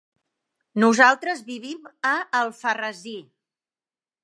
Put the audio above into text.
Nosaltres vivim a Alfarrasí.